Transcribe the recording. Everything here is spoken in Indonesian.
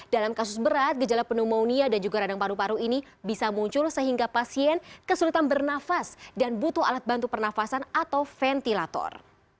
dalam kasus berat gejala pneumonia dan juga radang paru paru ini bisa muncul sehingga pasien kesulitan bernafas dan butuh alat bantu pernafasan atau ventilator